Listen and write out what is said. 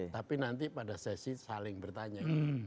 tapi nanti pada sesi saling bertanya